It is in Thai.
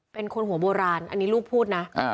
เป็นคนหัวโบราณอันนี้ลูกพูดนะ